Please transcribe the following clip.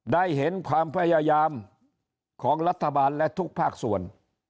ได้เห็นความพยายามของรัฐบาลและทุกภาคส่วน